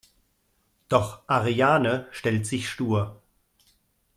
Doch Ariane stellt sich stur.